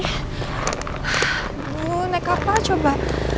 aduh naik apa coba